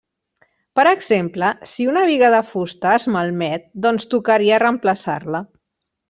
Per exemple, si una biga de fusta es malmet doncs tocaria reemplaçar-la.